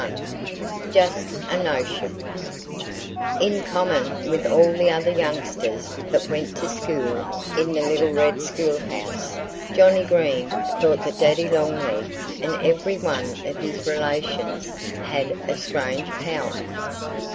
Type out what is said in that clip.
XXI JUST A NOTION IN common with all the other youngsters that went to school in the little red school house, Johnnie Green thought that Daddy Longlegs and every one of his relations had a strange power.